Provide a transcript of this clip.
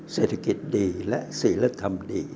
เศรษฐกิจดีและศิลธรรมดี